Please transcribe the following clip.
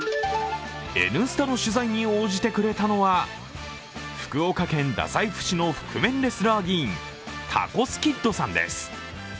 「Ｎスタ」の取材に応じてくれたのは福岡県太宰府市の覆面レスラー議員タコスキッドさんです。